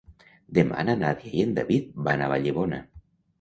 Demà na Nàdia i en David van a Vallibona.